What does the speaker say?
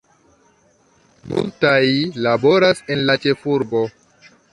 Multaj laboras en la ĉefurbo.